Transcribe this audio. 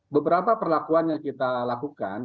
beberapa perlakuan yang kita lakukan